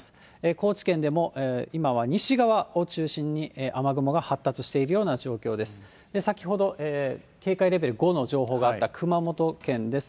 高知県でも、今は西側を中心に、雨雲が発達しているような状況です。